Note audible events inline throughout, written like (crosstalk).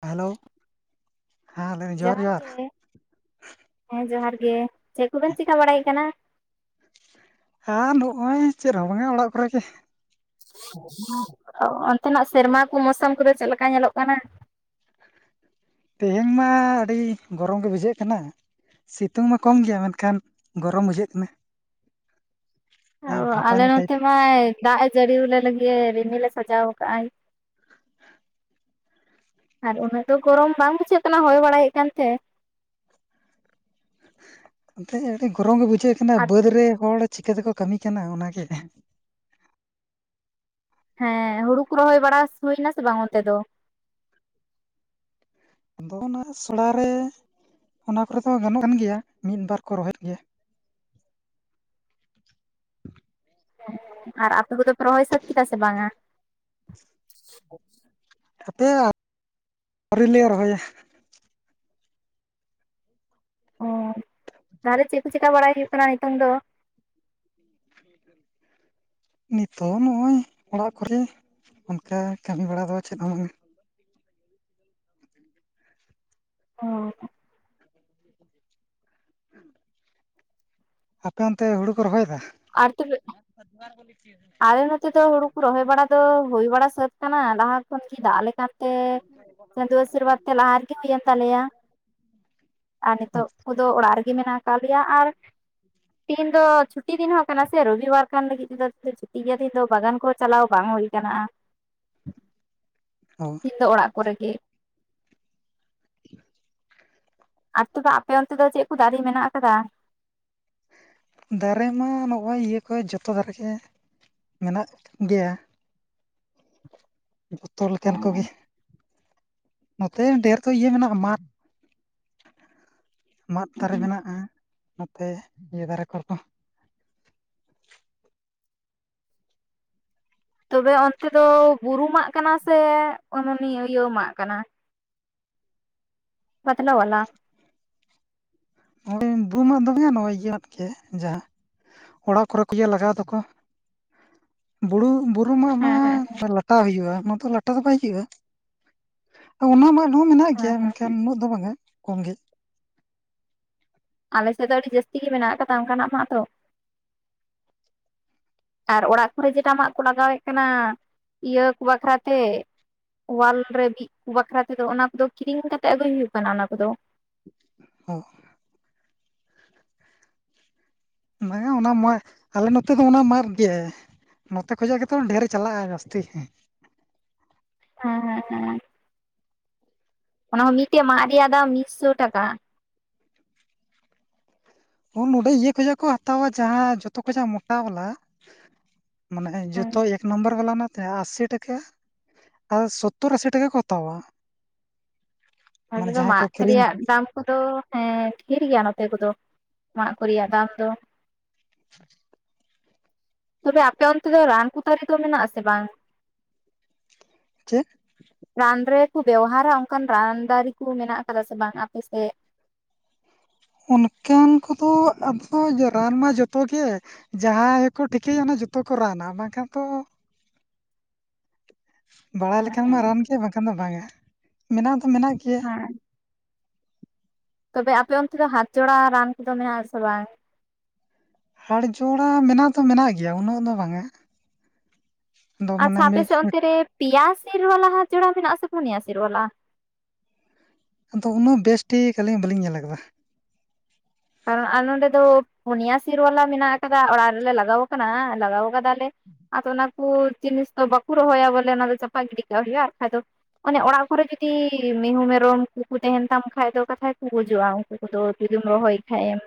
Hello ᱦᱮᱸ ᱞᱟᱹᱭ ᱫᱟᱹᱧ ᱡᱚᱦᱟᱨ ᱜᱮ ᱦᱮᱸ ᱡᱚᱦᱟᱨ ᱜᱮ ᱪᱮᱫ ᱠᱚᱵᱮᱱ ᱪᱮᱠᱟ ᱵᱟᱲᱟᱭᱮᱜ ᱠᱟᱱᱟ (inaudible) ᱟᱨ ᱱᱚᱜᱼᱚᱭ ᱪᱮᱫᱦᱚᱸ ᱵᱟᱝ-ᱟ ᱚᱲᱟᱜ ᱠᱚᱨᱮ ᱜᱮ ᱚᱱᱛᱮᱱᱟᱜ ᱥᱮᱨᱢᱟ ᱠᱚ ᱢᱳᱥᱚᱢ ᱠᱚᱫᱚ ᱪᱮᱫᱞᱮᱠᱟ ᱧᱮᱞᱚᱜ ᱠᱟᱱᱟ ᱛᱮᱦᱮᱧ ᱢᱟ ᱟᱹᱰᱤ ᱜᱚᱨᱚᱢ ᱜᱮ ᱵᱩᱡᱷᱟᱹᱜ ᱠᱟᱱᱟ ᱥᱤᱛᱩᱝ ᱢᱟ ᱠᱚᱢ ᱜᱮᱭᱟ ᱢᱮᱱᱠᱷᱟᱱ ᱜᱚᱨᱚᱢ ᱵᱩᱡᱷᱟᱹᱜ ᱠᱟᱱᱟ (inaudible) ᱡᱟᱦᱟᱸ ᱚᱸ ᱟᱞᱮ ᱵᱷᱟᱯᱟᱱᱤ ᱴᱟᱭᱤᱯ ᱱᱚᱛᱮ ᱢᱟᱭ ᱫᱟᱜ ᱮ ᱡᱟᱹᱲᱤ ᱞᱮ ᱞᱟᱹᱜᱤᱫ ᱨᱤᱢᱤᱞᱮ ᱥᱟᱡᱟᱣ ᱟᱠᱟᱫᱟᱭ ᱟᱨ ᱩᱱᱟᱹᱜ ᱫᱚ ᱜᱚᱨᱚᱢ ᱵᱟᱝ ᱵᱩᱡᱷᱟᱹᱜ ᱠᱟᱱᱟ ᱦᱚᱭ ᱵᱟᱲᱟᱭᱮᱫ ᱠᱟᱱ ᱛᱮ᱾ ᱱᱚᱛᱮ ᱟᱹᱰᱤ ᱜᱚᱨᱚᱢ ᱜᱮ ᱵᱩᱡᱷᱟᱹᱜ ᱠᱟᱱᱟ ᱟᱨ ᱵᱟᱹᱫᱽ ᱨᱮ ᱦᱚᱲ ᱪᱤᱠᱟᱹ ᱛᱮᱠᱚ ᱠᱟᱹᱢᱤ ᱠᱟᱱᱟ ᱚᱱᱟᱜᱮ᱾ ᱦᱮᱸ ᱦᱩᱲᱩ ᱠᱚ ᱨᱚᱦᱚᱭ ᱵᱟᱲᱟ ᱦᱩᱭ ᱱᱟ ᱥᱮ ᱵᱟᱝ ᱚᱱᱛᱮ ᱫᱚ ᱟᱫᱚ ᱚᱱᱟ ᱥᱚᱲᱟ ᱨᱮ ᱚᱱᱟ ᱠᱚᱨᱮ ᱫᱚ ᱜᱟᱱᱚᱜ ᱠᱟᱱ ᱜᱮᱭᱟ ᱢᱤᱫ ᱵᱟᱨ ᱠᱚ ᱨᱚᱦᱚᱭᱮᱫ ᱜᱮᱭᱟ ᱟᱨ ᱟᱯᱮ ᱠᱚᱫᱚ ᱯᱮ ᱨᱚᱦᱚᱭ ᱥᱟᱹᱛ ᱠᱮᱫᱟ ᱥᱮ ᱵᱟᱝ-ᱟ ᱟᱯᱮ (inaudible) ᱟᱹᱣᱨᱤᱞᱮ ᱨᱚᱦᱚᱭᱟ ᱚ ᱛᱟᱦᱚᱞᱮ ᱪᱮᱫ ᱠᱚ ᱪᱮᱠᱟ ᱵᱟᱲᱟᱭ ᱦᱩᱭᱩᱜ ᱠᱟᱱᱟ ᱱᱤᱛᱚᱝ ᱫᱚ (unintelligible) ᱱᱤᱛᱚᱜ ᱱᱚᱜᱼᱚᱭ ᱚᱲᱟᱜ ᱠᱚᱨᱮ ᱚᱱᱠᱟ ᱠᱟᱹᱢᱤ ᱵᱟᱲᱟ ᱫᱚ ᱪᱮᱫ ᱦᱚᱸ ᱚ ᱟᱯᱮ ᱚᱱᱛᱮ ᱦᱩᱲᱩ ᱠᱚ ᱨᱚᱦᱚᱭᱮᱫᱟ ᱟᱨ ᱛᱤᱱᱟᱹᱜ ᱴᱟ (unintelligible) ᱟᱞᱮ ᱱᱚᱛᱮ ᱫᱚ ᱦᱳᱲᱩ ᱠᱚ ᱨᱚᱦᱚᱭ ᱵᱟᱲᱟ ᱫᱚ ᱦᱩᱭ ᱵᱟᱲᱟ ᱥᱟᱹᱛ ᱟᱠᱟᱱᱟ ᱞᱟᱦᱟ ᱠᱷᱚᱱᱜᱤ ᱫᱟᱜ ᱞᱮᱠᱟᱱ ᱨᱮᱜᱮ ᱦᱩᱭᱮᱱ ᱛᱟᱞᱮᱭᱟ (unintelligible) ᱟᱨ ᱱᱤᱛᱚᱜ ᱠᱚ ᱫᱚ ᱚᱲᱟᱜ ᱨᱮᱜᱮ ᱢᱮᱱᱟᱜ (unintelligible) ᱟᱨ ᱛᱤᱦᱤᱧ ᱫᱚ ᱪᱷᱩᱴᱤ ᱫᱤᱱ ᱦᱚᱸ ᱠᱟᱱᱟ ᱥᱮ ᱨᱚᱵᱤᱵᱟᱨ ᱠᱟᱱ ᱞᱟᱹᱜᱤᱫ ᱛᱮᱫᱚ (unintelligible) ᱫᱤᱱ ᱫᱚ ᱵᱟᱜᱟᱱ ᱠᱚ ᱪᱟᱞᱟᱣ ᱵᱟᱝ ᱦᱩᱭ ᱠᱟᱱᱟ (unintelligible) ᱤᱧ ᱫᱚ ᱚᱲᱟ ᱠᱚᱨᱮ ᱜᱮ (unintelligible) ᱟᱨ ᱛᱚᱵᱮ ᱟᱯᱮ ᱚᱱᱛᱮ ᱫᱚ ᱪᱮᱫ ᱠᱚ ᱫᱟᱨᱮ ᱢᱮᱱᱟᱜ ᱟᱠᱟᱫᱟ ᱫᱟᱨᱮ ᱢᱟ ᱱᱚᱜᱼᱚᱭ ᱤᱭᱟᱹ ᱠᱚ ᱡᱚᱛᱚ ᱫᱟᱨᱮᱜᱮ ᱢᱮᱱᱟᱜ ᱜᱮᱭᱟ ᱡᱚᱛᱚ ᱞᱮᱠᱟᱱ ᱦᱮᱸ ᱠᱚᱜᱮ ᱱᱚᱛᱮ ᱰᱷᱮᱨ ᱫᱚ ᱤᱭᱟᱹ ᱢᱮᱱᱟᱜᱼᱟ ᱢᱟᱫᱽ ᱢᱟᱫᱽ ᱫᱟᱨᱮ ᱢᱮᱱᱟᱜᱼᱟ ᱱᱚᱛᱮ ᱤᱭᱟᱹ ᱫᱟᱨᱮ ᱠᱚᱨᱮ ᱫᱚ ᱛᱚᱵᱮ ᱚᱱᱛᱮ ᱫᱚ ᱵᱩᱨᱩ ᱢᱟᱜ ᱠᱟᱱᱟ ᱥᱮ (unintelligible) ᱤᱭᱟᱹ ᱢᱟᱜ ᱠᱟᱱᱟ ᱯᱟᱛᱞᱟ ᱵᱟᱞᱟ ᱱᱚᱜᱼᱚᱭ ᱵᱩᱨᱩ ᱢᱟᱫᱽ ᱫᱚ ᱵᱟᱝᱼᱟ ᱱᱚᱜᱼᱚᱭ ᱤᱭᱟᱹ ᱢᱟᱫᱽ ᱜᱮ ᱡᱟ ᱚᱲᱟᱜ ᱠᱚᱨᱮ ᱠᱚ ᱤᱭᱟᱹ ᱞᱟᱜᱟᱣ ᱫᱚᱠᱚ ᱵᱩᱲᱩ ᱵᱩ ᱵᱩᱨᱩ ᱢᱟᱜ ᱢᱟ ᱦᱮᱸ ᱦᱮᱸ ᱞᱟᱴᱟ ᱦᱩᱭᱩᱜᱼᱟ ᱚᱱᱟ ᱫᱚ ᱞᱟᱴᱟ ᱫᱚ ᱵᱟᱭ ᱦᱩᱭᱩᱜᱼᱟ ᱚᱱᱟ ᱢᱟ (unintelligible) ᱢᱮᱱᱟᱜ ᱦᱮᱸ ᱜᱮᱭᱟ ᱦᱮᱸ ᱢᱮᱱᱠᱷᱟᱱ ᱦᱮᱸ ᱩᱱᱟᱹᱜ ᱫᱚ ᱵᱟᱝᱼᱟ ᱠᱚᱢ ᱜᱮ ᱟᱞᱮ ᱥᱮᱫ ᱫᱚ ᱟᱹᱰᱤ ᱡᱟᱹᱥᱛᱤ ᱜᱮ ᱢᱮᱱᱟᱜ ᱠᱟᱫᱟ ᱚᱝᱠᱟᱱᱟᱜ ᱢᱟᱜ ᱫᱚ ᱟᱨ ᱚᱲᱟᱜ ᱠᱚᱨᱮ ᱡᱮᱴᱟ ᱢᱟᱜ ᱠᱚ ᱞᱟᱜᱟᱣᱮᱫ ᱠᱟᱱᱟ ᱤᱭᱟᱹ ᱠᱚ ᱵᱟᱠᱷᱨᱟ ᱛᱮ ᱚᱣᱟᱞ ᱨᱮ ᱵᱤᱜ ᱵᱟᱠᱷᱨᱟ ᱛᱮᱫᱚ ᱚᱱᱟ ᱠᱚᱫᱚ ᱠᱤᱨᱤᱝ ᱠᱟᱛᱮ ᱟᱹᱜᱩᱭ ᱦᱩᱭᱩᱜ ᱠᱟᱱᱟ ᱚᱱᱟ ᱠᱚᱫᱚ ᱚ (unintelligible) (unintelligible) ᱟᱞᱮ ᱱᱚᱛᱮ ᱫᱚ ᱚᱱᱟ ᱢᱟᱫᱽ ᱜᱮ ᱱᱚᱛᱮ ᱠᱷᱚᱡᱟ ᱜᱮᱛᱚ ᱰᱷᱮᱨᱮ ᱪᱟᱞᱟᱜᱼᱟ ᱡᱟᱹᱥᱛᱤ ᱦᱮᱸ ᱦᱮᱸ ᱦᱮᱸ ᱦᱮᱸ ᱚᱱᱟ ᱦᱚᱸ ᱢᱤᱜᱴᱮᱜ ᱢᱟᱜ ᱨᱮᱭᱟᱜ ᱫᱟᱢ ᱢᱤᱜᱥᱳ ᱴᱟᱠᱟ ᱚ ᱱᱚᱸᱰᱮ ᱤᱭᱟᱹ ᱠᱷᱚᱡᱟᱜ ᱠᱚ ᱦᱟᱛᱟᱣᱟ ᱡᱟᱦᱟ ᱡᱚᱛᱚ ᱠᱷᱚᱡᱟᱜ ᱢᱳᱴᱟ ᱵᱟᱞᱟ ᱢᱟᱱᱮ ᱦᱮᱸ ᱡᱚᱛᱚ ᱮᱠ ᱱᱚᱢᱵᱚᱨ ᱵᱟᱞᱟ ᱟᱥᱤ ᱴᱟᱠᱟ ᱟᱨ ᱥᱳᱛᱛᱳᱨ ᱟᱥᱤ ᱴᱟᱠᱟ ᱠᱚ ᱦᱟᱛᱟᱣᱟ ᱟᱞᱮ ᱢᱟᱱᱮ ᱫᱚ ᱡᱟᱦᱟᱸᱭ ᱠᱚ ᱢᱟᱛ ᱠᱤᱨᱤᱧ ᱨᱮᱭᱟᱜ ᱫᱟᱢ (unintelligible) ᱫᱚ ᱦᱮᱸ ᱰᱷᱤᱨ ᱜᱮᱭᱟ ᱱᱚᱛᱮ ᱠᱚᱫᱚ ᱢᱟᱜ ᱠᱚ ᱨᱮᱭᱟᱜ ᱫᱟᱢ ᱫᱚ (inaudible) ᱛᱚᱵᱮ ᱟᱯᱮ ᱚᱱᱛᱮ ᱫᱚ ᱨᱟᱱ ᱠᱚ ᱫᱟᱨᱮ ᱫᱚ ᱢᱮᱱᱟᱜ ᱟᱥᱮ ᱵᱟᱝ? (unintelligible) ᱪᱮᱫ ᱨᱟᱱ ᱨᱮᱠᱚ ᱵᱮᱣᱦᱟᱨᱟ ᱚᱝᱠᱟᱱ ᱨᱟᱱ ᱫᱟᱨᱤ ᱠᱩ ᱢᱮᱱᱟᱜ ᱠᱟᱫᱟ ᱥᱮ ᱵᱟᱝ ᱟᱯᱮ ᱥᱮᱜ ᱚᱱᱠᱟᱱ ᱠᱚᱫᱚ ᱟᱫᱚ ᱨᱟᱱ ᱢᱟ ᱡᱚᱛᱚ ᱜᱮ ᱡᱟᱦᱟᱭ ᱠᱚ ᱴᱷᱤᱠᱟᱹᱭᱟ ᱚᱱᱟ ᱡᱷᱚᱛᱚ ᱠᱚ ᱨᱟᱱᱟ ᱵᱟᱝ ᱠᱷᱟᱱ ᱛᱚ ᱵᱟᱲᱟᱭ ᱦᱮᱸ ᱞᱮᱠᱷᱟᱱ ᱢᱟ ᱦᱮᱸ ᱨᱟᱱ ᱜᱮ ᱵᱟᱝ ᱠᱷᱟᱱ ᱫᱚ ᱵᱟᱝᱼᱟ, ᱢᱮᱱᱟᱜ ᱫᱚ ᱢᱮᱱᱟᱜ ᱜᱮᱭᱟ (unintelligible) ᱛᱚᱵᱮ ᱟᱯᱮ ᱚᱱᱛᱮ ᱫᱚ ᱦᱟᱛᱡᱚᱲᱟ ᱨᱟᱱ ᱠᱚᱫᱚ ᱢᱮᱱᱟᱜ ᱟᱥᱮ ᱵᱟᱝ ᱦᱟᱲ ᱡᱚᱲᱟ ᱢᱮᱱᱟᱜ ᱫᱚ ᱢᱮᱱᱟᱜ ᱜᱮᱭᱟ ᱩᱱᱟᱹᱜ ᱫᱚ ᱵᱟᱝᱼᱟ ᱟᱪᱪᱷᱟ ᱟᱯᱮ ᱥᱮᱫ ᱚᱱᱛᱮ ᱨᱮ ᱯᱮᱭᱟ ᱥᱤᱨ ᱵᱟᱞᱟ ᱦᱟᱛᱡᱚᱲᱟ ᱢᱮᱱᱟᱜ ᱟᱥᱮ ᱯᱚᱱᱭᱟ ᱥᱤᱨ ᱵᱟᱞᱟ ᱟᱫᱚ ᱩᱱᱟᱹᱜ ᱵᱮᱥᱴᱷᱤᱠ ᱟᱹᱞᱤᱧ ᱵᱟᱹᱞᱤᱧ ᱧᱮᱞ ᱟᱠᱟᱫᱟ (unintelligible) ᱱᱚᱸᱰᱮ ᱫᱚ ᱯᱩᱱᱭᱟ ᱥᱤᱨ ᱵᱟᱞᱟ ᱢᱮᱱᱟᱜ ᱟᱠᱟᱫᱟ ᱚᱲᱟᱜ ᱨᱮᱞᱮ ᱞᱟᱜᱟᱣ ᱠᱟᱱᱟ ᱞᱟᱜᱟᱣ ᱠᱟᱫᱟᱞᱮ ᱟᱫᱚ ᱚᱱᱟ ᱠᱚ ᱡᱤᱱᱤᱥ ᱫᱚ ᱵᱟᱠᱚ ᱨᱚᱦᱚᱭᱟ ᱵᱚᱞᱮ ᱚᱱᱟ ᱫᱚ ᱪᱟᱯᱟ ᱜᱤᱰᱤ ᱠᱟᱜ ᱦᱩᱭᱩᱜᱼᱟ ᱵᱟᱠᱷᱟᱡ ᱫᱚ ᱚᱱᱮ ᱚᱲᱟᱜ ᱠᱚᱨᱮ ᱡᱩᱫᱤ ᱢᱤᱦᱩ ᱢᱮᱨᱚᱢ ᱠᱚᱠᱚ ᱛᱟᱦᱮᱱ ᱛᱟᱢ ᱠᱷᱟᱡ ᱫᱚ ᱠᱟᱛᱷᱟᱭ ᱠᱚ ᱜᱩᱡᱩᱜᱼᱟ (unintelligible) ᱨᱚᱦᱚᱭ ᱠᱷᱟᱡ ᱮᱢ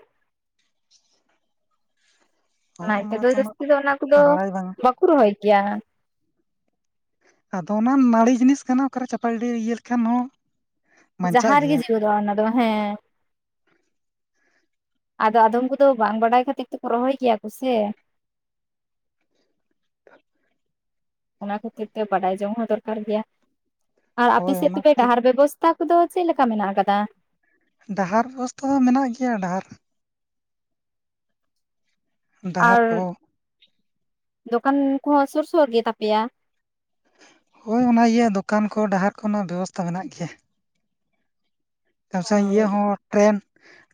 (inaudible) ᱚᱱᱟ ᱤᱛᱟᱹ ᱫᱚ ᱚᱱᱟᱛᱮ ᱩᱱᱟᱹᱜ ᱡᱟᱹᱥᱛᱤ ᱫᱚ ᱚᱱᱟ ᱠᱚᱫᱚ ᱵᱟᱲᱟᱭ ᱵᱟᱝᱟ ᱵᱟᱠᱚ ᱨᱚᱦᱚᱭ ᱜᱮᱭᱟ ᱟᱫᱚ ᱚᱱᱟ ᱱᱟᱹᱲᱤ ᱡᱤᱱᱤᱥ ᱠᱟᱱᱟ ᱚᱠᱟᱨᱮ ᱪᱟᱯᱟᱜᱤᱰᱤ ᱤᱭᱟᱹ ᱞᱮᱠᱷᱟᱱ ᱦᱚᱸ ᱵᱟᱧᱪᱟᱜ ᱡᱟᱦᱟᱸ ᱨᱮᱜᱮ ᱜᱮᱭᱟ ᱡᱤᱣᱮᱫᱚᱜ-ᱟ ᱚᱱᱟ ᱫᱚ ᱦᱮᱸ ᱟᱫᱚ ᱟᱫᱚᱢ ᱠᱚᱫᱚ ᱵᱟᱝ ᱵᱟᱰᱟᱭ ᱠᱷᱟᱹᱛᱤᱨ ᱛᱮᱠᱚ ᱨᱚᱦᱚᱭ ᱠᱮᱭᱟ ᱠᱚ ᱥᱮ (unintelligible) ᱚᱱᱟ ᱠᱷᱟᱹᱛᱤᱨ ᱛᱮ ᱵᱟᱰᱟᱭ ᱡᱚᱝ ᱦᱚᱸ ᱫᱚᱨᱠᱟᱨ ᱜᱮᱭᱟ ᱟᱨ ᱦᱳᱭ ᱟᱯᱮ ᱥᱮᱫ ᱚᱱᱟ ᱛᱮᱯᱮ ᱠᱚᱫᱚ ᱰᱟᱦᱟᱨ ᱵᱮᱵᱚᱥᱼᱼ ᱛᱟ ᱠᱚᱫᱚ ᱪᱮᱫ ᱞᱮᱠᱟ ᱢᱮᱱᱟᱜ ᱟᱠᱟᱫᱟ? ᱰᱟᱦᱟᱨ ᱵᱮᱵᱚᱥᱛᱷᱟ ᱫᱚ ᱢᱮᱱᱟᱜ ᱜᱮᱭᱟ ᱰᱟᱦᱟᱨ ᱰᱟᱦᱟᱨ ᱟᱨ ᱠᱚᱦᱚᱸ ᱫᱚᱠᱟᱱ ᱠᱚᱦᱚᱸ ᱥᱳᱨ ᱥᱳᱨ ᱜᱮ ᱛᱟᱯᱮᱭᱟ? ᱦᱳᱭ ᱚᱱᱟ ᱤᱭᱟᱹ ᱫᱚᱠᱟᱱ ᱠᱚ ᱰᱟᱦᱟᱨ ᱠᱷᱚᱱᱟᱜ ᱵᱮᱵᱚᱥᱛᱟ ᱢᱮᱱᱟᱜ ᱜᱮᱭᱟ (unintelligible) ᱤᱭᱟᱹ ᱦᱮᱸ ᱦᱚᱸ ᱴᱨᱮᱹᱱ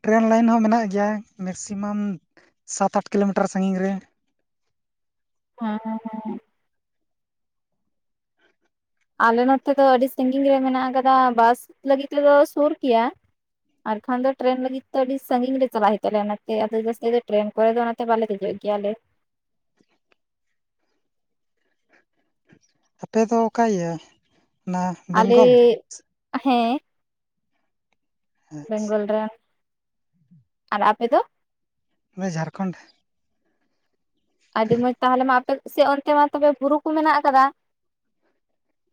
ᱴᱨᱮᱹᱱ ᱞᱟᱭᱤᱱ ᱦᱚᱸ ᱢᱮᱱᱟᱜ ᱜᱮᱭᱟ ᱢᱮᱠᱥᱤᱢᱟᱢ ᱥᱟᱛ ᱟᱴ ᱠᱤᱞᱳᱢᱤᱴᱟᱨ ᱥᱟᱺᱜᱤᱧ ᱨᱮ ᱦᱮᱸ ᱦᱮᱸ ᱟᱞᱮ ᱱᱚᱛᱮ ᱫᱚ ᱟᱹᱰᱤ ᱥᱟᱺᱜᱤᱧ ᱨᱮ ᱢᱮᱱᱟᱜ ᱟᱠᱟᱫᱟ ᱵᱟᱥ ᱞᱟᱹᱜᱤᱫ ᱛᱮᱫᱚ ᱥᱩᱨ ᱜᱮᱭᱟ ᱟᱨᱠᱷᱟᱱ ᱫᱚ ᱴᱨᱮᱱ ᱞᱟᱹᱜᱤᱫ ᱛᱮ ᱟᱹᱰᱤ ᱥᱟᱺᱜᱤᱧ ᱨᱮ ᱪᱟᱞᱟᱜ ᱦᱳᱭᱳᱜ ᱛᱟᱞᱮᱭᱟ ᱚᱱᱟᱛᱮ ᱟᱫᱚ ᱡᱟᱹᱥᱛᱤ ᱫᱚ ᱴᱨᱮᱹᱱ ᱠᱚᱨᱮ ᱫᱚ ᱚᱱᱟ ᱵᱟᱞᱮ ᱫᱮᱡᱚᱜ ᱜᱮᱭᱟᱞᱮ ᱟᱯᱮᱫᱚ ᱚᱠᱟ ᱤᱭᱟᱹ ᱚᱱᱟ ᱟᱞᱮ ᱵᱮᱝᱜᱚᱞ ᱦᱮᱸ ᱵᱮᱝᱜᱚᱞ ᱟᱪᱪᱷᱟ ᱨᱮᱱ ᱟᱨ ᱟᱯᱮ ᱫᱚ ᱟᱰᱮ ᱡᱷᱟᱲᱠᱷᱚᱸᱰ ᱟᱹᱰᱤ ᱢᱚᱸᱡᱽ ᱛᱟᱦᱚᱞᱮ ᱢᱟ ᱟᱯᱮ ᱥᱮᱫ ᱚᱱᱛᱮ ᱢᱟ ᱛᱮ ᱵᱩᱨᱩ ᱠᱚ ᱢᱮᱱᱟᱜ ᱠᱟᱫᱟ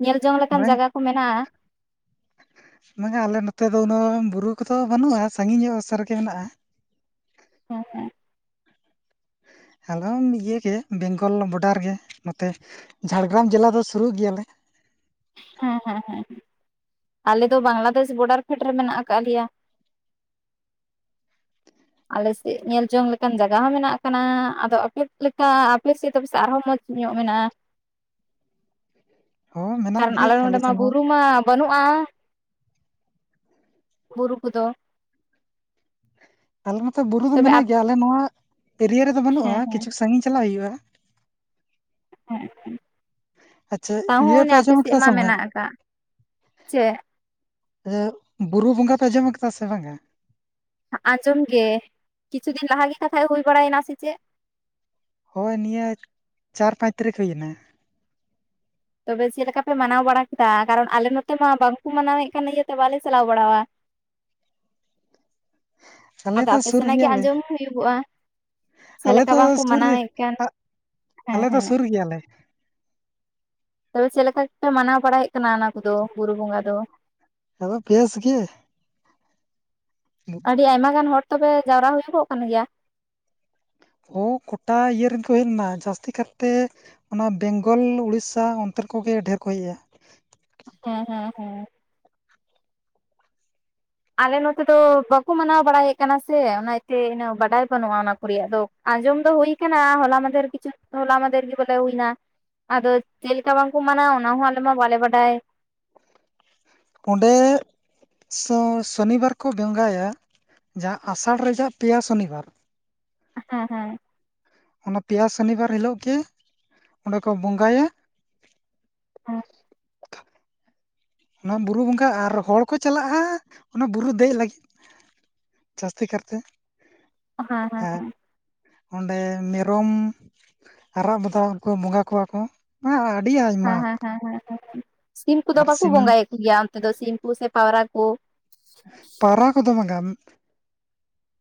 ᱧᱮᱞ ᱡᱚᱝ ᱞᱮᱠᱟᱱ ᱵᱟᱝ ᱡᱟᱭᱜᱟ ᱠᱚ ᱢᱮᱱᱟᱜᱼᱟ ᱵᱟᱝᱟ ᱟᱞᱮ ᱱᱚᱛᱮ ᱫᱚ ᱩᱱᱟᱹᱜ ᱵᱩᱨᱩ ᱠᱚᱫᱚ ᱵᱟᱹᱱᱩᱜᱼᱟ ᱥᱟᱺᱜᱤᱧ ᱧᱚᱜ ᱚᱥᱟ ᱨᱮᱜᱮ ᱢᱮᱱᱟᱜᱼᱟ ᱦᱮ ᱦᱮᱸ ᱦᱮᱞᱚᱝ ᱤᱭᱮ ᱜᱮ ᱵᱮᱝᱜᱚᱞ ᱵᱚᱰᱟᱨ ᱜᱮ ᱱᱚᱛᱮ ᱡᱷᱟᱲᱜᱨᱟᱢ ᱡᱮᱞᱟ ᱫᱚ ᱥᱩᱨᱩᱜ ᱜᱮᱭᱟᱞᱮ ᱦᱮᱸ ᱦᱮᱸ ᱦᱮᱸ ᱟᱞᱮ ᱫᱚ ᱵᱟᱝᱞᱟᱫᱮᱥ ᱵᱚᱰᱟᱨ ᱯᱷᱮᱸᱰ ᱨᱮ ᱢᱮᱱᱟᱜ ᱠᱟᱫ ᱞᱮᱭᱟ ᱟᱞᱮᱥᱮᱫ ᱧᱮᱞ ᱡᱚᱝ ᱞᱮᱠᱟᱱ ᱡᱟᱭᱜᱟ ᱦᱚᱸ ᱢᱮᱱᱟᱜ ᱟᱠᱟᱱᱟ ᱟᱫᱚ ᱟᱯᱮ ᱞᱮᱠᱟ ᱟᱯᱮᱥᱮᱫ ᱫᱚ ᱟᱨᱦᱚᱸ ᱢᱚᱡᱽ ᱧᱚᱜ ᱢᱮᱱᱟᱜᱼᱟ ᱦᱚᱸ ᱢᱮᱱᱟᱜ ᱠᱟᱨᱚᱱ ᱜᱮᱭᱟ ᱟᱞᱮ ᱱᱚᱰᱮ ᱢᱟ ᱥᱮᱱ ᱦᱚᱸ ᱵᱩᱨᱩ ᱢᱟ ᱵᱟᱹᱱᱩᱜᱼᱟ ᱵᱩᱨᱩ ᱠᱚᱫᱚ ᱟᱞᱮ ᱱᱚᱛᱚ ᱵᱩᱨᱩ ᱫᱚ ᱛᱚᱵᱮ ᱟᱯ ᱢᱮᱱᱟᱜ ᱜᱮᱭᱟ ᱟᱞᱮ ᱱᱚᱣᱟ ᱮᱨᱤᱭᱟ ᱨᱮᱫᱚ ᱵᱟᱹᱱᱩᱜᱼᱟ ᱦᱮᱸ ᱦᱮᱸ ᱠᱤᱪᱷᱩ ᱥᱟᱺᱜᱤᱧ ᱪᱟᱞᱟᱜ ᱦᱩᱭᱩᱜᱼᱟ (unintelligible) ᱟᱪᱪᱷᱟ ᱤᱭᱟᱹ ᱛᱟᱦᱚᱸ ᱯᱮ ᱟᱯᱮ ᱟᱸᱡᱚᱢ ᱥᱮᱫ ᱠᱟᱫᱟ ᱢᱟ ᱥᱮ ᱵᱟᱝᱟ ᱢᱮᱱᱟᱜ ᱟᱠᱟᱫ ᱪᱮᱫ? ᱵᱩᱨᱩ ᱵᱚᱸᱜᱟ ᱯᱮ ᱟᱸᱡᱚᱢ ᱟᱠᱟᱫᱟ ᱥᱮ ᱵᱟᱝᱟ ᱟᱸᱡᱚᱢ ᱜᱮ ᱠᱤᱪᱷᱩ ᱫᱤᱱ ᱞᱟᱦᱟᱮ ᱠᱟᱛᱷᱟ ᱜᱮ ᱦᱩᱭ ᱵᱟᱲᱟᱭᱮᱱᱟ ᱥᱮ ᱪᱮᱫ ᱦᱳᱭ ᱱᱤᱭᱟᱹ ᱪᱟᱨ ᱯᱟᱸᱪ ᱛᱟᱹᱨᱤᱠᱷ ᱦᱩᱭᱱᱟ ᱛᱚᱵᱮ ᱪᱮᱫ ᱞᱮᱠᱟᱯᱮ ᱢᱟᱱᱟᱣ ᱵᱟᱲᱟ ᱠᱮᱫᱟ ᱠᱟᱨᱚᱱ ᱟᱞᱮ ᱱᱚᱛᱮ ᱢᱟ ᱵᱟᱝᱠᱚ ᱢᱟᱱᱟᱣᱮᱫ ᱠᱟᱱ ᱤᱭᱟᱹᱛᱮ ᱵᱟᱞᱮ ᱪᱟᱞᱟᱣ ᱵᱟᱲᱟᱣᱟ ᱟᱞᱮ ᱟᱫᱚ ᱫᱚ ᱟᱯᱮ ᱥᱩᱨ ᱥᱮᱱᱟᱜ ᱜᱮ ᱜᱮᱭᱟᱞᱮ ᱟᱸᱡᱚᱢ ᱦᱩᱭᱩᱜᱚᱜᱼᱟ ᱪᱮᱫ ᱟᱞᱮ ᱞᱮᱠᱟ ᱫᱚ ᱵᱟᱝᱠᱚ ᱥᱩᱨ ᱨᱮ ᱢᱟᱱᱟᱣᱮᱫ ᱠᱟᱱ ᱦᱮᱸ ᱟᱞᱮ ᱫᱚ ᱦᱮᱸ ᱥᱩᱨ ᱜᱮᱭᱟᱞᱮ ᱛᱚᱵᱮ ᱪᱮᱫ ᱞᱮᱠᱟᱯᱮ ᱢᱟᱱᱟᱣ ᱵᱟᱲᱟᱭᱮᱫ ᱠᱟᱱᱟ ᱚᱱᱟ ᱠᱚᱫᱚ ᱵᱩᱨᱩ ᱵᱚᱸᱜᱟ ᱫᱚ ᱟᱫᱚ ᱵᱮᱥ ᱜᱮ ᱟᱹᱰᱤ ᱟᱭᱢᱟ ᱜᱟᱱ ᱦᱚᱲ ᱛᱚᱵᱮ ᱡᱟᱣᱨᱟ ᱦᱩᱭᱩᱜᱚᱜ ᱠᱟᱱ ᱜᱮᱭᱟ? ᱦᱚ ᱜᱚᱴᱟ ᱤᱭᱟᱹ ᱨᱮᱱ ᱠᱚ ᱦᱮᱡᱱᱟ ᱡᱟᱹᱥᱛᱤ ᱠᱟᱛᱮ ᱚᱱᱟ ᱵᱮᱝᱜᱚᱞ ᱩᱳᱲᱤᱥᱥᱟ ᱚᱱᱛᱮᱱ ᱠᱚᱜᱮ ᱰᱷᱮᱨ ᱠᱚ ᱤᱭᱹᱼᱟ ᱦᱮᱸ ᱦᱮᱸ ᱦᱮᱸ ᱟᱞᱮ ᱱᱚᱛᱮ ᱫᱚ ᱵᱟᱠᱚ ᱢᱟᱱᱟᱣ ᱵᱟᱲᱟᱭᱮᱫ ᱠᱟᱱᱟ ᱥᱮ ᱚᱱᱟ ᱛᱮ ᱤᱱᱟᱹᱜ ᱵᱟᱰᱟᱭ ᱵᱟᱹᱱᱩᱜᱼᱟ ᱚᱱᱟ ᱠᱚ ᱨᱮᱭᱟᱜ ᱫᱚ ᱟᱸᱡᱚᱢ ᱫᱚ ᱦᱩᱭ ᱟᱠᱟᱱᱟ ᱦᱚᱞᱟ ᱢᱟᱫᱷᱮᱨ ᱠᱤᱪᱷᱩ ᱦᱚᱞᱟ ᱢᱟᱫᱷᱮᱨ ᱜᱮ ᱵᱚᱞᱮ ᱦᱩᱭᱱᱟ ᱟᱫᱚ ᱪᱮᱫ ᱞᱮᱠᱟ ᱵᱟᱝᱠᱚ ᱢᱟᱱᱟᱣ ᱚᱱᱟ ᱦᱚᱸ ᱟᱞᱮ ᱢᱟ ᱵᱟᱞᱮ ᱵᱟᱰᱟᱭ᱾ ᱚᱸᱰᱮ ᱥᱚ ᱥᱚᱱᱤᱵᱟᱨ ᱠᱚ ᱵᱚᱸᱜᱟᱭᱟ ᱡᱟᱦᱟᱸ ᱟᱥᱟᱲ ᱨᱮᱭᱟᱜ ᱯᱮᱭᱟ ᱥᱚᱱᱤᱵᱟᱨ ᱦᱮᱸ ᱦᱮᱸ ᱚᱱᱟ ᱯᱮᱭᱟ ᱥᱚᱱᱤᱵᱟᱨ ᱦᱤᱞᱳᱜ ᱜᱮ ᱚᱸᱰᱮ ᱠᱚ ᱵᱚᱸᱜᱟᱭᱟ (unintelligible) ᱚᱱᱟ ᱵᱩᱨᱩ ᱵᱚᱸᱜᱟ ᱟᱨ ᱦᱚᱲ ᱠᱚ ᱪᱟᱞᱟᱜᱼᱟ ᱚᱱᱟ ᱵᱩᱨᱩ ᱫᱮᱡ ᱞᱟᱹᱜᱤᱫ ᱡᱟᱹᱥᱛᱤ ᱠᱟᱨᱛᱮ ᱦᱮᱸ ᱦᱮᱸ ᱟᱨ ᱦᱮᱸ ᱚᱸᱰᱮ ᱢᱮᱨᱚᱢ ᱟᱨᱟᱜ ᱵᱚᱫᱟ ᱠᱚ ᱵᱚᱸᱜᱟ ᱠᱚᱣᱟ ᱠᱚ ᱟᱹᱰᱤ ᱦᱮᱸ ᱟᱭᱢᱟ ᱦᱮᱸ ᱦᱮᱸ ᱥᱤᱢ ᱠᱚᱫᱚ ᱟᱨ ᱵᱟᱠᱚ ᱥᱤᱢ ᱵᱚᱸᱜᱟᱭ ᱜᱮᱭᱟ ᱚᱱᱛᱮ ᱫᱚ ᱥᱤᱢ ᱠᱚ ᱥᱮ ᱯᱟᱣᱨᱟ ᱠᱚ ᱯᱟᱣᱨᱟ ᱠᱚᱫᱚ ᱵᱟᱝ-ᱟ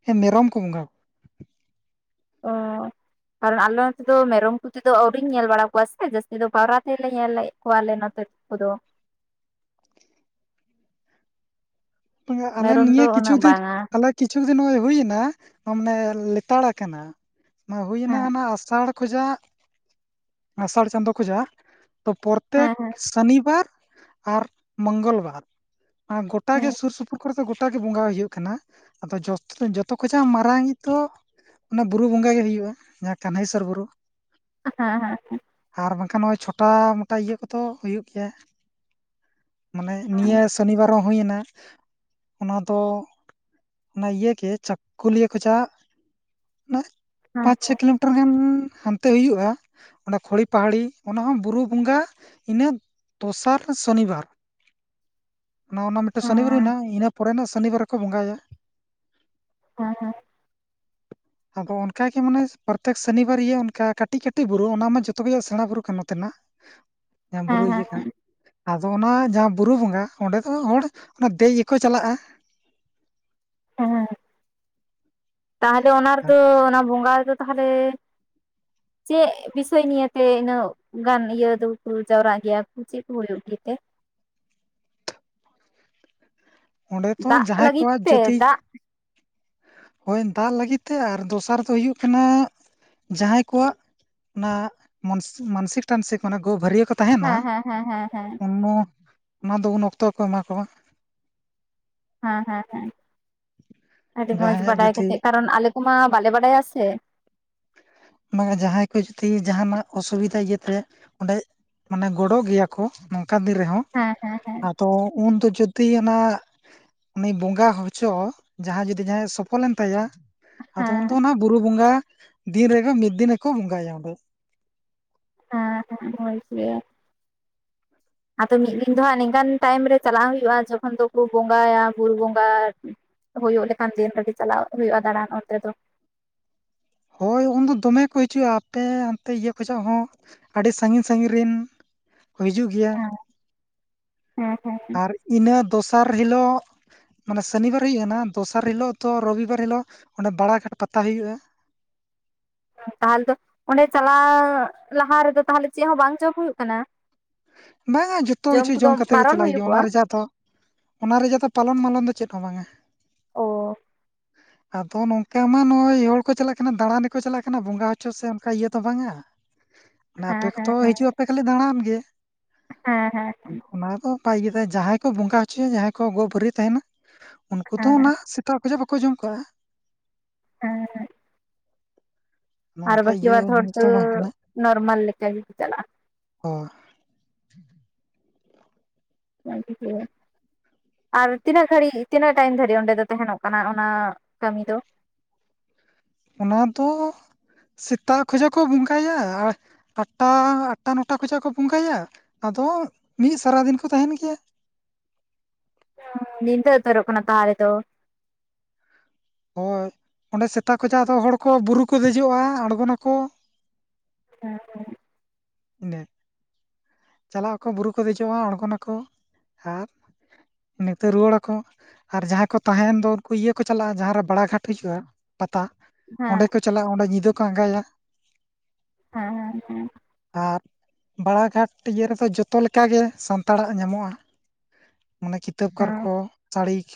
ᱦᱮᱸ ᱢᱮᱨᱚᱢ ᱠᱚ ᱵᱚᱸᱜᱟ ᱚᱸ ᱠᱟᱨᱚᱱ ᱟᱞᱮ ᱱᱚᱛᱮ ᱫᱚ ᱢᱮᱨᱚᱢ ᱠᱚ ᱛᱮᱫᱚ ᱟᱹᱣᱨᱤᱧ ᱧᱮᱞ ᱵᱟᱲᱟ ᱠᱚᱣᱟ ᱥᱮ ᱡᱟᱹᱥᱛᱤ ᱫᱚ ᱯᱟᱣᱨᱟ ᱛᱮᱞᱮ ᱧᱮᱞᱮᱫ ᱠᱚᱣᱟᱞᱮ ᱱᱚᱛᱮ ᱟᱫᱚ ᱾ (unintelligible) ᱯᱤᱭᱟᱹ ᱟᱞᱮ ᱢᱮᱨᱚᱢ ᱫᱚ ᱱᱤᱭᱟᱹ ᱠᱤᱪᱷᱩ ᱩᱱᱟᱹᱜ ᱫᱤᱱ ᱵᱟᱝᱟ ᱟᱞᱮ ᱠᱤᱪᱷᱩ ᱫᱤᱱ ᱱᱚᱜᱚᱭ ᱦᱩᱭᱱᱟ ᱢᱟᱱᱮ ᱞᱮᱛᱟᱲ ᱟᱠᱟᱱᱟ ᱦᱩᱭ ᱦᱮᱸ ᱮᱱᱟ ᱚᱱᱟ ᱟᱥᱟᱲ ᱠᱷᱚᱡᱟᱜ ᱟᱥᱟᱲ ᱪᱟᱸᱫᱳ ᱠᱷᱚᱡᱟᱜ ᱛᱚ ᱯᱚᱨᱛᱮᱠ ᱦᱮᱸ ᱦᱮᱸ ᱥᱟᱱᱤᱵᱟᱨ ᱟᱨ ᱢᱚᱝᱜᱚᱞ ᱵᱟᱨ ᱜᱚᱴᱟ ᱜᱮ ᱦᱮᱸ ᱥᱩ ᱥᱩᱨ ᱥᱩᱯᱩᱨ ᱠᱚᱨᱮ ᱫᱚ ᱜᱚᱴᱟᱜᱮ ᱵᱚᱸᱜᱟ ᱤᱭᱟᱹᱜ ᱠᱟᱱᱟ ᱟᱫᱚ ᱡᱚᱛ ᱡᱚᱛᱚ ᱠᱷᱚᱡᱟᱜ ᱢᱟᱨᱟᱝ ᱤᱡ ᱫᱚ ᱚᱱᱟ ᱵᱩᱨᱩ ᱵᱚᱸᱜᱟ ᱜᱮ ᱦᱩᱭᱩᱜᱼᱟ ᱡᱟᱦᱟᱸ ᱠᱟᱱᱦᱟᱹᱭᱥᱚᱨ ᱵᱩᱨᱩ ᱦᱮᱸ ᱦᱮᱸ ᱦᱮᱸ ᱟᱨ ᱵᱟᱝᱠᱷᱟᱱ ᱱᱚᱜᱼᱚᱭ ᱪᱷᱚᱴᱟ ᱢᱚᱴᱟ ᱤᱭᱟᱹ ᱠᱚᱫᱚ ᱦᱩᱭᱩᱜ ᱜᱮᱭᱟ᱾ ᱢᱟᱱᱮ ᱱᱤᱭᱟᱹ ᱥᱚᱱᱤᱵᱟᱨ ᱦᱚᱸ ᱦᱩᱭᱮᱱᱟ᱾ ᱚᱱᱟ ᱫᱚ ᱚᱱᱟ ᱤᱭᱟᱹ ᱜᱮ ᱪᱟᱹᱠᱩᱞᱤᱭᱟᱹ ᱠᱷᱚᱡᱟᱜᱼᱼ ᱚᱱᱟᱜ ᱦᱮᱸ ᱯᱟᱸᱪ ᱪᱷᱚ ᱠᱤᱞᱳᱢᱤᱴᱟᱨ ᱜᱟᱱ ᱦᱟᱱᱛᱮ ᱦᱩᱭᱩᱜᱼᱟ ᱚᱱᱰᱮ ᱠᱷᱚᱲᱤ ᱯᱟᱦᱟᱲᱤ ᱚᱱᱟ ᱦᱚᱸ ᱵᱩᱨᱩ ᱵᱚᱸᱜᱟ ᱤᱱᱟᱹ ᱫᱚᱥᱟᱨ ᱥᱚᱱᱤᱵᱟᱨ ᱚᱱᱜᱚ ᱱᱟ ᱢᱤᱫᱴ ᱦᱮᱸ ᱥᱚᱱᱤᱵᱟᱨ ᱦᱩᱭᱮᱱᱟ ᱤᱱᱟᱹ ᱯᱚᱨᱮᱱᱟᱜ ᱥᱚᱱᱤᱵᱟᱨ ᱨᱮᱠᱚ ᱵᱚᱸᱜᱟᱭᱟ᱾ ᱦᱮᱸ ᱦᱮᱸ ᱟᱫᱚ ᱚᱱᱠᱟᱜᱮ ᱢᱟᱱᱮ ᱯᱨᱚᱛᱮᱠ ᱥᱚᱱᱤᱵᱟᱨ ᱤᱭᱟᱹ ᱚᱱᱠᱟ ᱠᱟᱹᱴᱤᱡ ᱠᱟᱹᱴᱤᱡ ᱵᱩᱨᱩ ᱚᱱᱟ ᱢᱟ ᱡᱚᱛᱚ ᱠᱷᱚᱡᱟᱜ ᱥᱮᱬᱟ ᱵᱩᱨᱩ ᱠᱟᱱᱟ ᱱᱚᱛᱮᱱᱟᱜ (inaudible) ᱡᱟ ᱵᱩᱨᱩ ᱦᱮᱸ ᱤᱭᱟᱹ ᱠᱟᱱᱟ ᱟᱫᱚ ᱚᱱᱟ ᱡᱟᱦᱟᱸ ᱵᱩᱨᱩ ᱵᱚᱸᱜᱟ ᱚᱸᱰᱮ ᱫᱚ ᱦᱚᱲ ᱚᱱᱟ ᱫᱮᱡ ᱜᱮᱠᱚ ᱪᱟᱞᱟᱜᱼᱟ ᱦᱮᱸ ᱛᱟᱦᱚᱞᱮ ᱚᱱᱟ ᱨᱮᱫᱚ ᱚᱱᱟ ᱵᱚᱸᱜᱟ ᱨᱮᱫᱚ ᱛᱟᱦᱚᱞᱮ ᱪᱮᱫ ᱵᱤᱥᱚᱭ ᱱᱤᱭᱮᱛᱮ ᱤᱱᱟᱹ ᱜᱟᱱ ᱤᱭᱟᱹ ᱫᱩ ᱠᱩ ᱡᱟᱣᱨᱟᱜ ᱜᱮᱭᱟ ᱠᱩ ᱪᱮᱫ ᱠᱩ ᱦᱩᱭᱩᱜ ᱜᱮᱛᱮ? ᱚᱸᱰᱮᱛᱚ ᱫᱟᱜ ᱡᱟᱦᱟᱸᱭ ᱞᱟᱹᱜᱤᱫ ᱠᱚᱣᱟᱜ ᱛᱮ ᱡᱟᱹᱛᱤ ᱫᱟᱜ ᱦᱳᱭ ᱫᱟᱞ ᱞᱟᱹᱜᱤᱫ ᱛᱮ ᱟᱨ ᱫᱚᱥᱟᱨ ᱫᱚ ᱦᱩᱭᱩᱜ ᱠᱟᱱᱟ ᱡᱟᱦᱟᱸᱭ ᱠᱚᱣᱟᱜ ᱚᱱᱟ ᱢᱳᱱᱥ ᱢᱟᱱᱥᱤᱠ ᱴᱟᱱᱥᱤᱠ ᱚᱱᱟ ᱜᱳ ᱵᱷᱟᱹᱨᱭᱟᱹ ᱠᱚᱛ ᱛᱟᱦᱮᱱᱟ ᱦᱮᱸ ᱦᱮᱸ ᱦᱮᱸ ᱦᱮᱸ ᱦᱮᱸ ᱩᱱᱱᱚ ᱚᱱᱟ ᱫᱚ ᱩᱱ ᱚᱠᱛᱚ ᱠᱚ ᱮᱢᱟ ᱠᱚᱣᱟ ᱦᱮᱸ ᱦᱮᱸ ᱦᱮᱸ ᱟᱹᱰᱤ ᱢᱚᱸᱡᱽ ᱡᱟᱦᱟᱸᱭᱟᱜ ᱵᱟᱰᱟᱭ ᱡᱩᱫᱤ ᱠᱟᱛᱮᱜ ᱠᱟᱨᱚᱱ ᱟᱞᱮ ᱠᱚᱢᱟ ᱵᱟᱞᱮ ᱵᱟᱰᱟᱭᱟ ᱥᱮ ᱵᱟᱝᱼᱟ ᱡᱟᱦᱟᱸᱭ ᱠᱚ ᱡᱩᱫᱤ ᱡᱟᱦᱟᱱᱟᱜ ᱚᱥᱩᱵᱤᱫᱟ ᱜᱤᱛᱟᱭᱚᱸᱰᱮ ᱢᱟᱱᱮ ᱜᱮᱭᱟ ᱠᱚ ᱱᱚᱝᱠᱟ ᱫᱤᱱ ᱨᱮᱦᱚᱸ ᱦᱮᱸ ᱦᱮᱸ ᱦᱮᱸ ᱟᱫᱚ ᱩᱱᱫᱚ ᱡᱩᱫᱤ ᱚᱱᱟ ᱩᱱᱤ ᱵᱚᱸᱜᱟ ᱦᱚᱪᱚ ᱡᱟᱦᱟᱸᱭ ᱡᱩᱫᱤ ᱡᱟᱦᱟᱸᱭᱟᱜ ᱥᱚᱯᱷᱚᱞ ᱮᱱ ᱛᱟᱭᱟ ᱟᱫᱚ ᱩᱱᱫᱚ ᱦᱮᱸ ᱚᱱᱟ ᱵᱩᱨᱩ ᱵᱚᱸᱜᱟ ᱫᱤᱱ ᱨᱮᱜᱮ ᱢᱤᱫ ᱫᱤᱱ ᱜᱮᱠᱚ ᱵᱚᱸᱜᱟᱭᱟ ᱦᱮᱸ ᱦᱮᱸ ᱢᱚᱡ ᱜᱮ ᱟᱫᱚ ᱢᱤᱫ ᱫᱤᱱ ᱫᱚ ᱦᱟᱸᱜ ᱱᱤᱝᱠᱟᱱ ᱴᱟᱭᱤᱢ ᱨᱮ ᱪᱟᱞᱟᱜ ᱦᱩᱭᱩᱜᱼᱟ ᱡᱚᱠᱷᱚᱱ ᱫᱚᱠᱚ ᱵᱚᱸᱜᱟᱭᱟ ᱵᱩᱨᱩ ᱵᱚᱸᱜᱟ ᱦᱩᱭᱩᱜ ᱞᱮᱠᱷᱟᱱ ᱫᱤᱱ ᱪᱟᱞᱟᱜ ᱦᱩᱭᱩᱜᱼᱟ ᱫᱟᱬᱟᱱ ᱚᱱᱛᱮ ᱫᱚ ᱦᱳᱭ ᱩᱱᱫᱚ ᱫᱚᱢᱮ ᱠᱚ ᱦᱤᱡᱩᱜᱼᱟ ᱟᱯᱮ ᱦᱟᱱᱛᱮ ᱤᱭᱟᱹ ᱠᱷᱚᱱᱟᱜ ᱦᱚᱸ ᱟᱹᱰᱤ ᱥᱟᱺᱜᱤᱧ ᱥᱟᱺᱜᱤᱧ ᱨᱮᱱ ᱦᱤᱡᱩᱜ ᱜᱮᱭᱟ ᱦᱮᱸ ᱦᱮᱸ ᱦᱮᱸ ᱟᱨ ᱤᱱᱟᱹ ᱫᱚᱥᱟᱨ ᱦᱤᱞᱳᱜ ᱢᱟᱱᱮ ᱥᱚᱱᱤᱵᱟᱨ ᱦᱩᱭᱩᱜ ᱠᱟᱱᱟ ᱫᱚᱥᱟᱨ ᱦᱤᱞᱳᱜ ᱛᱚ ᱨᱚᱵᱤᱵᱟᱨ ᱦᱤᱞᱳᱜ ᱚᱸᱰᱮ ᱵᱟᱲᱟᱜᱷᱟᱴ ᱯᱟᱛᱟ ᱦᱩᱭᱩᱜᱼᱟ ᱛᱟᱦᱚᱞᱮ ᱫᱚ ᱚᱸᱰᱮ ᱪᱟᱞᱟᱣ ᱞᱟᱦᱟ ᱨᱮᱫᱚ ᱛᱟᱦᱚᱞᱮ ᱪᱮᱫ ᱦᱚᱸ ᱵᱟᱝ ᱪᱚᱯ ᱦᱩᱭᱩᱜ ᱠᱟᱱᱟ ᱵᱟᱝᱼᱟ ᱡᱚᱛᱚ ᱠᱤᱪᱷᱩ ᱠᱚᱫᱚ ᱡᱚᱢ ᱠᱟᱛᱮ ᱜᱮ ᱵᱟᱨᱚᱱ ᱪᱟᱞᱟᱜ ᱦᱩᱭᱩᱜᱼᱟ ᱦᱩᱭᱩᱜᱚᱜᱼᱟ ᱚᱱᱟ ᱨᱮᱭᱟᱜᱟ ᱫᱚ ᱚᱱᱟ ᱨᱮᱭᱟᱜ ᱫᱚ ᱯᱟᱞᱚᱱ-ᱢᱟᱞᱚᱱ ᱫᱚ ᱪᱮᱫ ᱦᱚᱸ ᱵᱟᱝᱼᱟ ᱚ ᱟᱫᱚ ᱱᱚᱝᱠᱟ ᱢᱟ ᱱᱚᱜᱼᱚᱭ ᱦᱚᱲ ᱠᱚ ᱪᱟᱞᱟᱜ ᱠᱟᱱᱟ ᱫᱟᱬᱟᱱᱠᱚ ᱪᱟᱞᱟᱜ ᱠᱟᱱᱟ ᱵᱚᱸᱜᱟ ᱦᱚᱪᱚ ᱥᱮ ᱚᱱᱠᱟ ᱤᱭᱟᱹ ᱫᱚ ᱵᱟᱝᱟ ᱦᱮᱸ ᱟᱯᱮ ᱠᱚᱛᱚ ᱦᱮᱸ ᱦᱤᱡᱩᱜ ᱟᱯᱮ ᱠᱷᱟᱞᱤ ᱫᱟᱬᱟᱱ ᱜᱮ ᱦᱮᱸ ᱦᱮᱸ ᱚᱱᱟ ᱫᱚ ᱵᱟᱭ ᱡᱟᱦᱟᱸᱭ ᱠᱚ ᱵᱚᱸᱜᱟ ᱦᱚᱪᱚᱭᱟ ᱡᱟᱦᱟᱸᱭ ᱠᱚ ᱜᱚ ᱵᱷᱟᱹᱨᱭ ᱛᱟᱦᱮᱱᱟ ᱩᱱᱠᱩ ᱫᱚ ᱦᱮᱸ ᱚᱱᱟ ᱥᱮᱛᱟᱜ ᱵᱮᱞᱟ ᱵᱟᱠᱚ ᱡᱚᱢ ᱠᱟᱜᱼᱟ (unintelligible) ᱟᱨ ᱚᱱᱠᱟ ᱵᱟᱹᱠᱤ ᱤᱭᱟᱹ ᱵᱟᱫ ᱦᱚᱲ ᱡᱤᱱᱤᱥ ᱫᱚ ᱵᱟᱝ ᱠᱟᱱᱟ ᱱᱚᱨᱢᱟᱞ ᱞᱮᱠᱟ ᱜᱮᱠᱚ ᱪᱟᱞᱟᱜᱼᱟ (unintelligible) (inaudible) ᱟᱨ ᱛᱤᱱᱟᱹᱜ ᱜᱷᱟᱹᱲᱤᱡ ᱛᱤᱱᱟᱹᱜ ᱴᱟᱭᱤᱢ ᱫᱟᱹᱨᱤᱡ ᱚᱸᱰᱮ ᱫᱚ ᱛᱟᱦᱮᱱᱚᱜ ᱠᱟᱱᱟ ᱚᱱᱟ ᱠᱟᱹᱢᱤ ᱫᱚ ᱚᱱᱟ ᱫᱚ ᱥᱮᱛᱟᱜ ᱠᱷᱚᱡᱟᱜ ᱠᱚ ᱵᱚᱸᱜᱟᱭᱟ ᱟᱨ ᱟᱴᱴᱟ ᱟᱴᱴᱟ ᱱᱚᱴᱟ ᱠᱷᱚᱱᱟᱜ ᱠᱚ ᱵᱚᱸᱜᱟᱭᱟ ᱟᱫᱚ ᱢᱤᱫ ᱥᱟᱨᱟᱫᱤᱱ ᱠᱚ ᱛᱟᱦᱮᱱ ᱜᱮᱭᱟ (unintelligible) ᱧᱤᱫᱟᱹ ᱩᱛᱟᱹᱨᱚᱜ ᱠᱟᱱᱟ ᱛᱟᱦᱚᱞᱮ ᱛᱚ ᱦᱳᱭ ᱚᱸᱰᱮ ᱥᱮᱛᱟ ᱠᱷᱚᱡᱟᱜ ᱟᱫᱚ ᱦᱚᱲᱠᱚ ᱵᱩᱨᱩ ᱠᱚ ᱫᱮᱡᱚᱜᱼᱟ ᱟᱬᱜᱚᱱᱟᱠᱚ ᱦᱮᱸ ᱦᱮᱸ (inaudible) ᱪᱟᱞᱟᱜ ᱟᱠᱚ ᱵᱩᱨᱩ ᱠᱚ ᱫᱮᱡᱚᱜᱼᱟ ᱟᱬᱜᱚᱱᱟᱠᱚ ᱟᱨ ᱱᱤᱛᱚᱜ ᱨᱩᱣᱟᱹᱲᱟᱠᱚ ᱟᱨ ᱡᱟᱦᱟᱸᱭ ᱠᱚ ᱛᱟᱦᱮᱱ ᱫᱚ ᱩᱱᱠᱩ ᱤᱭᱟᱹ ᱠᱚ ᱪᱟᱞᱟᱜᱼᱟ ᱡᱟᱦᱟᱸ ᱨᱮ ᱵᱟᱲᱟᱟᱜᱷᱟᱴ ᱦᱩᱭᱩᱜᱼᱟ ᱯᱟᱛᱟ ᱚᱸᱰᱮ ᱦᱮᱸ ᱠᱚ ᱪᱟᱞᱟᱜᱼᱟ ᱚᱸᱰᱮ ᱧᱤᱫᱟᱹ ᱠᱚ ᱟᱸᱜᱟᱭᱟ (inaudible) ᱦᱮᱸ ᱦᱮᱸ ᱦᱮᱸ ᱟᱨ ᱵᱟᱲᱟ ᱜᱷᱟᱴ ᱤᱭᱟᱹ ᱨᱮᱫᱚ ᱡᱚᱛᱚ ᱞᱮᱠᱟᱜᱮ ᱥᱟᱱᱛᱟᱲᱟᱜ ᱧᱟᱢᱚᱜᱼᱟ ᱢᱟᱱᱮ ᱠᱤᱛᱟᱹᱵ ᱟᱨ ᱦᱮᱸ ᱠᱚ ᱥᱟᱹᱲᱤ ᱠᱚ,